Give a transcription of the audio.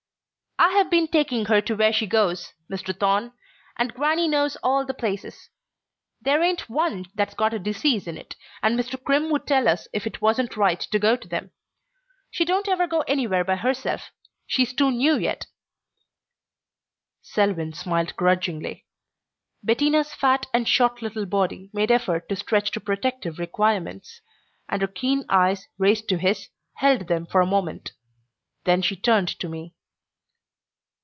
"I've been taking her to where she goes, Mr. Thorne, and grannie knows all the places. There ain't one that's got a disease in it, and Mr. Crimm would tell us if it wasn't right to go to them. She don't ever go anywhere by herself. She's too new yet." Selwyn smiled grudgingly. Bettina's fat and short little body made effort to stretch to protective requirements, and her keen eyes raised to his held them for a moment. Then she turned to me.